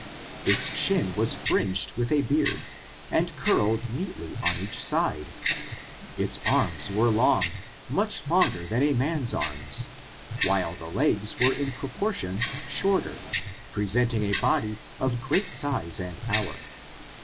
Its chin was fringed with a beard, which curl ed neatly on each side. Its arms were long — much longer than are a man's arms — ^while the legs were in proportion shorter, presenting a body of great size and power.